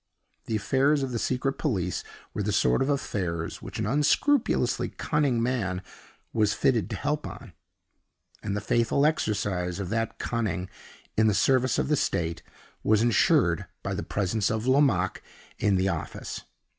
The affairs of the Secret Police were the sort of affairs which an unscrupulously cunning man was fitted to help on; and the faithful exercise of that cunning in the service of the State was insured by the presence of Lomaque in the office.